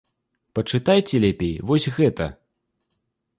Пачытайце лепей вось гэта.